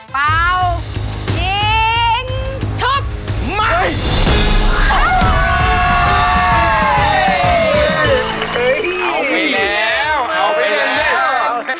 ป้าวกิ้งชก